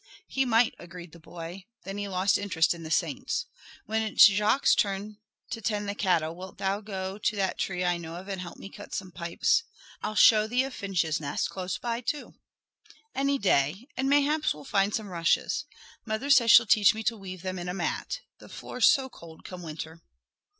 "He might," agreed the boy. Then he lost interest in the saints. "When it's Jacque's turn to tend the cattle wilt thou go to that tree I know of and help me cut some pipes? I'll show thee a finch's nest close by too." "Any day. And mayhap we'll find some rushes. Mother says she'll teach me to weave them in a mat. The floor's so cold come winter."